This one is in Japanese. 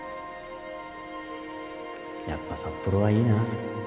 やっぱ札幌はいいな